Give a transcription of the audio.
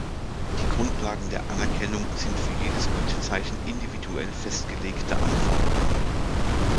Die Grundlagen der Anerkennung sind für jedes Gütezeichen individuell festgelegte Anforderungen.